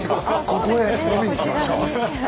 ここへ飲みに来ましょう。